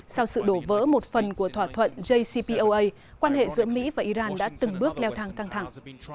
sau sự đổ vỡ một phần của thỏa thuận jcpoa quan hệ giữa mỹ và iran đã từng bước leo thang căng thẳng